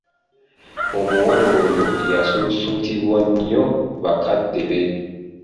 Omuwala oyo yasuusuutibwa nnyo bakadde be.